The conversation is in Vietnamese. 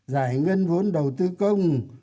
giải ngân vốn đầu tư công